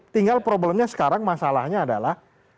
tinggal problemnya sekarang masalahnya adalah